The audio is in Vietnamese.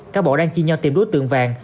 các bộ đang chi nhau tìm đối tượng vàng